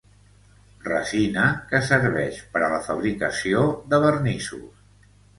Resina que serveix per a la fabricació de vernissos.